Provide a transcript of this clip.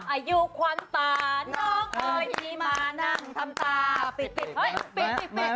อายุควันตาน้องเอ๋ยมานั่งทำตา